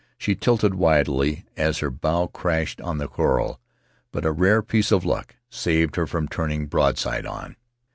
She tilted wildly as her bow crashed on the coral, but a rare piece of luck saved her from turning broadside on.